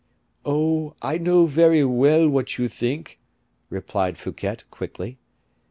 "Oh! I know very well what you think," replied Fouquet, quickly.